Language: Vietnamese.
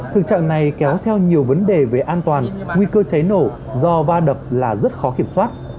thực trạng này kéo theo nhiều vấn đề về an toàn nguy cơ cháy nổ do va đập là rất khó kiểm soát